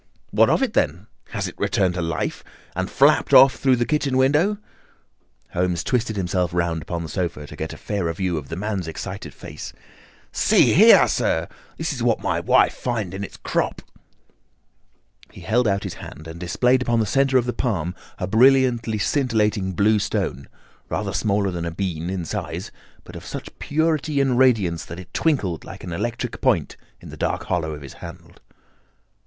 he gasped. "Eh? What of it, then? Has it returned to life and flapped off through the kitchen window?" Holmes twisted himself round upon the sofa to get a fairer view of the man's excited face. "See here, sir! See what my wife found in its crop!" He held out his hand and displayed upon the centre of the palm a brilliantly scintillating blue stone, rather smaller than a bean in size, but of such purity and radiance that it twinkled like an electric point in the dark hollow of his hand.